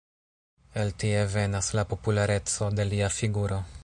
El tie venas la populareco de lia figuro.